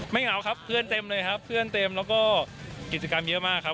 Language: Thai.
เหงาครับเพื่อนเต็มเลยครับเพื่อนเต็มแล้วก็กิจกรรมเยอะมากครับ